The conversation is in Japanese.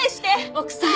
奥さん。